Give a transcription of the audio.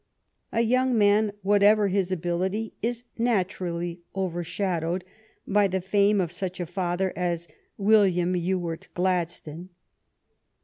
A young man, whatever his ability, is naturally overshadowed by the fame of such a father as William Ewart Gladstone.